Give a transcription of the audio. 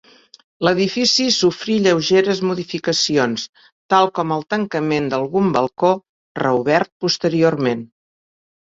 L'edifici sofrí lleugeres modificacions, tal com el tancament d'algun balcó, reobert posteriorment.